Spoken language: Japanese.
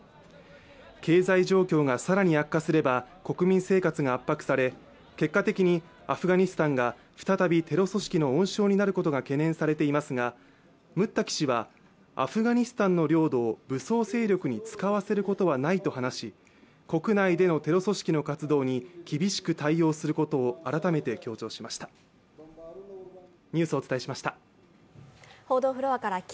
経済状況が更に悪化すれば、国民生活が圧迫され、結果的にアフガニスタンが再びテロ組織の温床になることが懸念されていますがムッタキ氏はアフガニスタンの領土を武装勢力に使わせることはないと話し、国内でのテロ組織の活動に厳しく対応することを改めて強調しました。